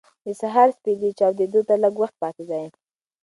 د سهار سپېدې چاودېدو ته لږ وخت پاتې دی.